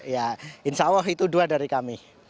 ya insya allah itu dua dari kami